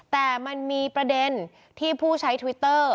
แต่มันมีประเด็นที่ผู้ใช้ทวิตเตอร์